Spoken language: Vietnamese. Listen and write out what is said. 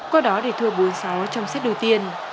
qua đó để thua bốn sáu trong xét đầu tiên